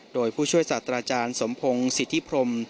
โดยผู้ช่วยศาสตราจารย์สมพงศ์สิทธิพรม